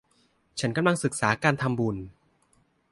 ฉันกำลังศึกษาการทำบุญ